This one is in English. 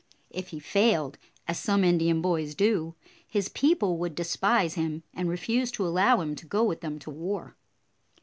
If he failed, as some Indian boys do, his people would despise him, and refuse to allow him to go with them to war.